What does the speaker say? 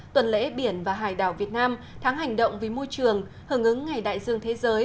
tuần lễ biển và hải đảo việt nam tháng hành động vì môi trường hưởng ứng ngày đại dương thế giới